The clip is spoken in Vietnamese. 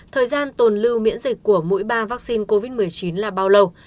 thời gian tồn lưu miễn dịch của mũi ba vaccine covid một mươi chín là bao lâu